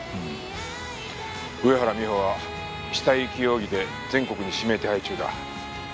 上原美帆は死体遺棄容疑で全国に指名手配中だ。